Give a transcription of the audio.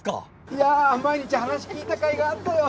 いや毎日話聞いたかいがあったよ。